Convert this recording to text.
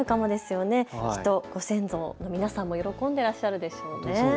きっとご先祖の皆さんも喜んでいらっしゃるでしょうね。